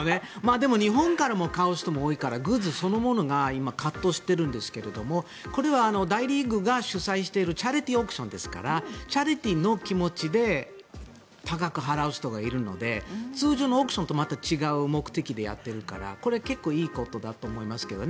でも日本からも買う人も多いからグッズそのものが高騰してるんですけどこれは大リーグが主催しているチャリティーオークションですから多額払う人がいるので通常のオークションとまた違う目的でやってるからいいことだと思いますけどね。